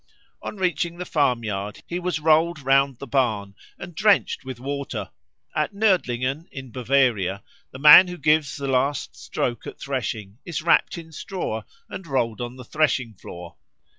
On reaching the farmyard he was rolled round the barn and drenched with water. At Nördlingen in Bavaria the man who gives the last stroke at threshing is wrapt in straw and rolled on the threshing floor.